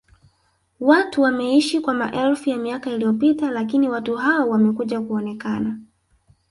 watu wameishi kwa maelfu ya miaka iliyopita lakini watu hao wamekuja kuonekana